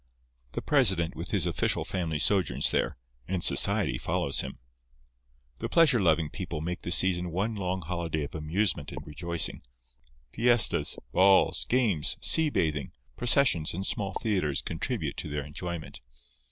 The president with his official family sojourns there; and society follows him. The pleasure loving people make the season one long holiday of amusement and rejoicing. Fiestas, balls, games, sea bathing, processions and small theatres contribute to their enjoyment.